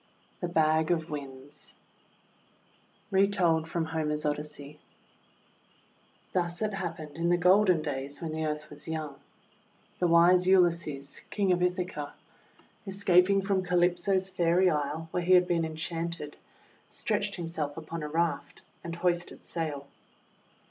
THE BAG OF WINDS Retold from Homer's Odyssey THUS it happened in the golden days when the Earth was young: — The wise Ulysses, King of Ithaca, escaping from Calypso's Fairy Isle, where he had been enchanted, stretched himself upon a raft, and hoisted sail.